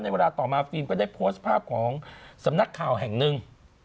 เวลาต่อมาฟิล์มก็ได้โพสต์ภาพของสำนักข่าวแห่งหนึ่ง